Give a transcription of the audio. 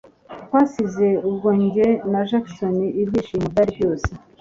Twasize ubwo njye na Jackson ibyishimo byari byose